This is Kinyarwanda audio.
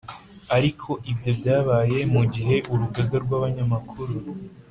ariko ibyo byabaye mu gihe urugaga rw’abanyamakuru